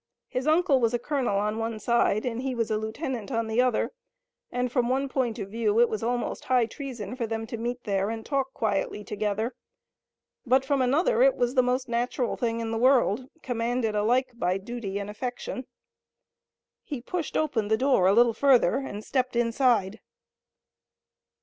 His uncle was a colonel on one side, and he was a lieutenant on the other, and from one point of view it was almost high treason for them to meet there and talk quietly together, but from another it was the most natural thing in the world, commanded alike by duty and affection. He pushed open the door a little further and stepped inside.